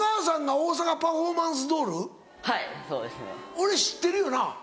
俺知ってるよな？